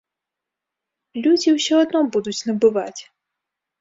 Людзі ўсё адно будуць набываць.